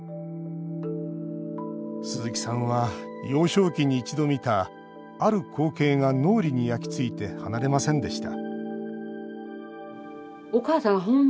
鈴木さんは幼少期に一度見たある光景が脳裏に焼きついて離れませんでした